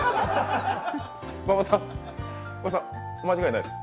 馬場さん、間違いないですか？